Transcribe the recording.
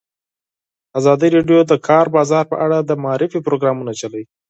ازادي راډیو د د کار بازار په اړه د معارفې پروګرامونه چلولي.